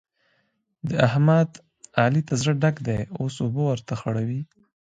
د احمد؛ علي ته زړه ډک دی اوس اوبه ورته خړوي.